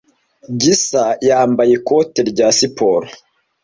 Gisa yambaye ikote rya siporo.